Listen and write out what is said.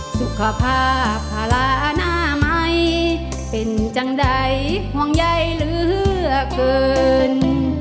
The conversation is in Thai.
สุขภาพภาระหน้าใหม่เป็นจังใดห่วงใยเหลือเกิน